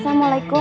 terima kasih pak